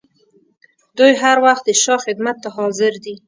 دوی هر وخت د شاه خدمت ته حاضر دي.